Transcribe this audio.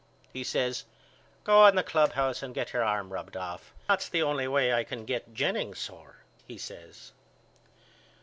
He says Go in the clubhouse and get your arm rubbed off. That's the only way I can get Jennings sore he says.